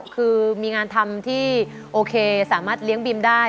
คือมีงานทำที่โอเคสามารถเลี้ยงบิมได้